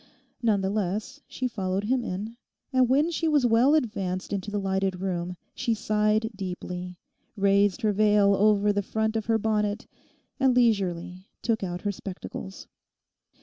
None the less she followed him in, and when she was well advanced into the lighted room, she sighed deeply, raised her veil over the front of her bonnet, and leisurely took out her spectacles.